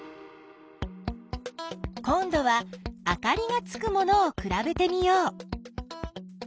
今どはあかりがつくものをくらべてみよう。